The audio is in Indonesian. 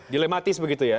dilematis begitu ya